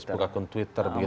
facebook akun twitter gitu ya